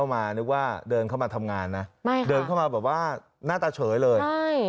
มันเข้ามาแบบว่าหน้าตาเฉยเลย